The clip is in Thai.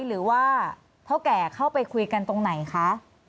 หรือว่าเท่าแก่เข้าไปคุยกันตรงไหนคะ